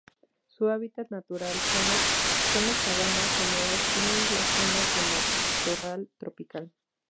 Su hábitat natural son los sabanas húmedas y las zonas de matorral tropical.